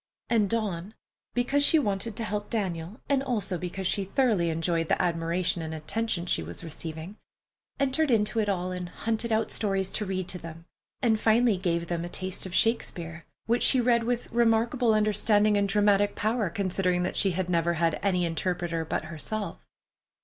And Dawn, because she wanted to help Daniel, and also because she thoroughly enjoyed the admiration and attention she was receiving, entered into it all, and hunted out stories to read to them, and finally gave them a taste of Shakespeare, which she read with remarkable understanding and dramatic power, considering that she had never had any interpreter but herself.